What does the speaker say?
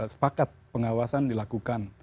sepakat pengawasan dilakukan